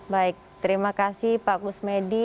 baik terima kasih pak kusmedi